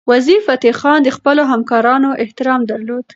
وزیرفتح خان د خپلو همکارانو احترام درلود.